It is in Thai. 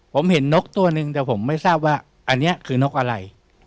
ผมเห็นนกตัวหนึ่งแต่ผมไม่ทราบว่าอันนี้คือนกอะไร